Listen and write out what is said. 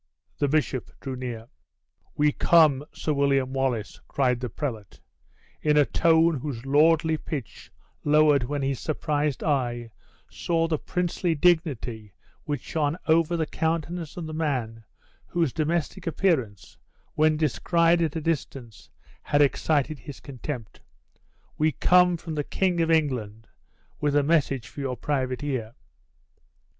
The bishop drew near. "We come, Sir William Wallace," cried the prelate, in a tone whose lordly pitch lowered when his surprised eye saw the princely dignity which shone over the countenance of the man whose domestic appearance, when descried at a distance, had excited his contempt; "we come from the King of England, with a message for your private ear."